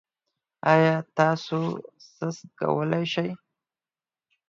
ایا تاسو سست کولی شئ؟